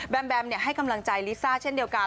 แบมแบมเนี่ยให้กำลังใจลิซ่าเช่นเดียวกัน